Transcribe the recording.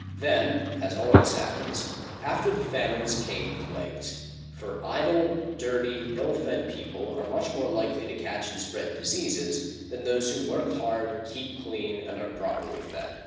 Then, as always happens, after the famines came plagues; for idle, dirty, ill fed people are much more likely to catch and spread diseases than those who work hard, keep clean, and are properly fed.